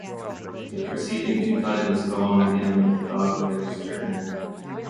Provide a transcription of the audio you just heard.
The preceding two titles go on the end of the dog's registered name.